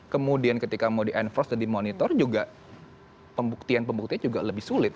kemudian ketika mau di enforce dan di monitor juga pembuktian pembuktian juga lebih sulit